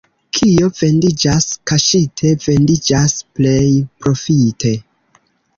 Kio vendiĝas kaŝite, vendiĝas plej profite.